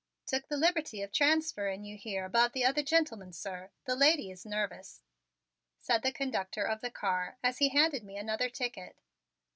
"Took the liberty of transferring you here above the other gentleman, sir. The lady is nervous," said the conductor of the car as he handed me another ticket.